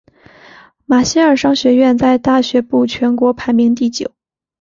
马歇尔商学院在大学部全国排名第九。